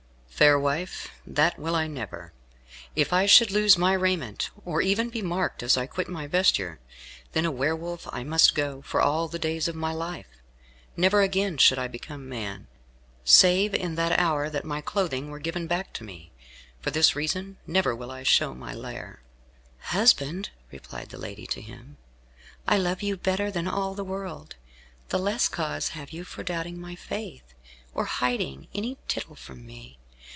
"Fair wife, that will I never. If I should lose my raiment, or even be marked as I quit my vesture, then a Were Wolf I must go for all the days of my life. Never again should I become man, save in that hour my clothing were given back to me. For this reason never will I show my lair." "Husband," replied the lady to him, "I love you better than all the world. The less cause have you for doubting my faith, or hiding any tittle from me.